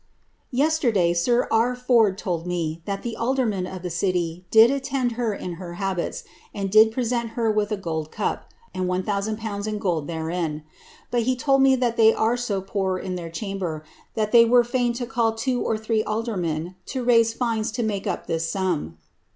Yesterday sir R. Ford told me that the aldermen of the city did attend her in their habits, and did present her with a gold cup, and 1000/. in gold therein. But he told me that they are so |)oor in their chamber, that they were fain to call two or three aldermen to raise fines to make up this sum."